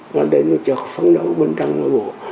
nó đến một chợ phấn đấu bên trong mỗi bộ